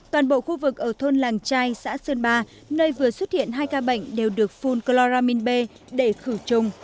toàn bộ khu vực ở thôn làng trai xã sơn ba nơi vừa xuất hiện hai ca bệnh đều được phun chloramin b để khử trùng